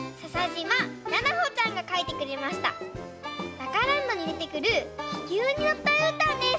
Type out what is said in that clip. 「ダカランド」にでてくるききゅうにのったうーたんです。